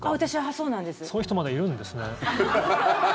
そういう人まだいるんですね。